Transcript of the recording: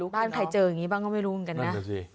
บ้านใครเจออย่างนี้บ้างก็ไม่รู้เหมือนกันนะ